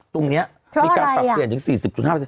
ตรงนี้มีการตรับเศียรจนึง๔๐๕เป็น